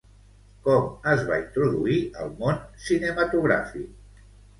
Com es va introduir al món cinematogràfic?